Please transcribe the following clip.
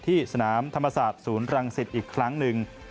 ที่สนามธรรมศาสตร์ศูนย์รังสิตอีกครั้งหนึ่ง